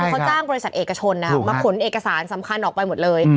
เขาจ้างบริษัทเอกชนมาขนเอกสารสำคัญออกไปหมดเลย